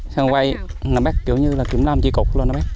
xong quay nó bắt kiểu như là kiểm nam chi cục luôn nó bắt